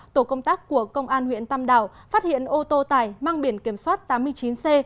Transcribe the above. tổ công tác của công an huyện tam đảo phát hiện ô tô tải mang biển kiểm soát tám mươi chín c một mươi tám nghìn bảy trăm bốn mươi hai